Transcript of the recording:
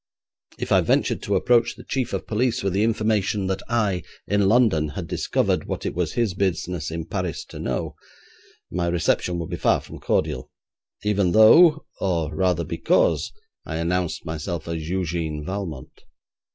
If I ventured to approach the chief of police with the information that I, in London, had discovered what it was his business in Paris to know, my reception would be far from cordial, even though, or rather because, I announced myself as Eugène Valmont.